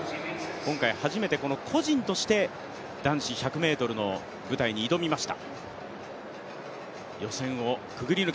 今回初めて個人として男子１００ｍの舞台に挑みました。